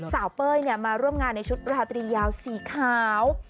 สาวเป้ยเนี่ยมาร่วมงานในชุดหราตรียาวสีขาว